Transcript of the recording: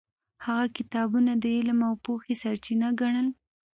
هغه کتابونه د علم او پوهې سرچینه ګڼل.